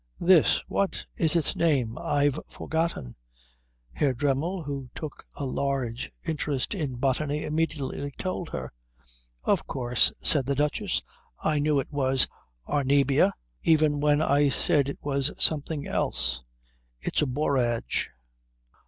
"This. What is its name? I've forgotten." Herr Dremmel, who took a large interest in botany, immediately told her. "Of course," said the Duchess. "I knew it was Arnebia even when I said it was something else. It's a borage."